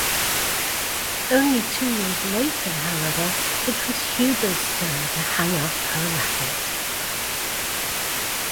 Only two years later, however, it was Huber's turn to hang up her racquet.